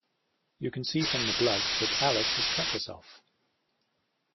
You can see from the blood that Alice has cut herself